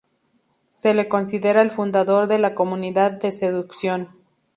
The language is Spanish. Se le considera el fundador de la comunidad de seducción.